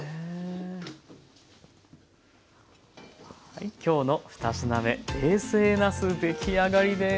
はいきょうの２品目「冷製なす」出来上がりです。